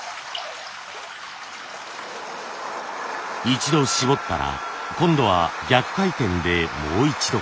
一度絞ったら今度は逆回転でもう一度。